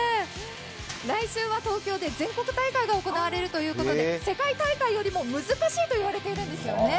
来週は東京で全国大会が行われるということで世界大会よりも難しいと言われているんですよね。